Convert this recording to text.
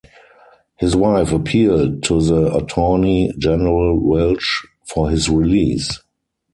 His wife appealed to the Attorney General Welsch for his release.